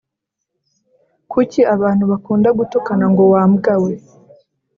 kuki abantu bakunda gutukana ngo wambwa we